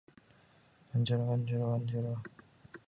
イェヴレボリ県の県都はイェーヴレである